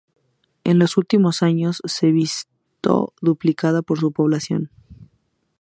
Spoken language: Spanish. En los últimos años se visto duplicada su población.